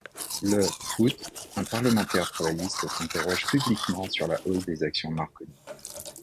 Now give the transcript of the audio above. Le août, un parlementaire travailliste s’interroge publiquement sur la hausse des actions Marconi.